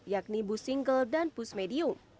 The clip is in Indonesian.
yakni bus single dan bus medium